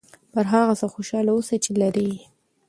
پر هغه څه خوشحاله اوسه چې لرې یې.